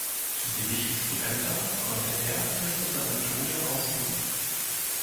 Die wichtigsten Ämter konnte er bis zu seinem Tode ausüben.